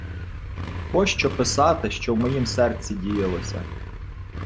Пощо писати, що в моїм серці діялося?